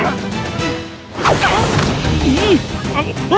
มาก